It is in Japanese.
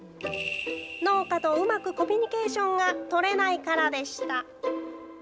農家とうまくコミュニケーションが取れないからでした。